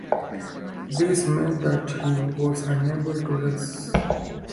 This meant that he was unable to race.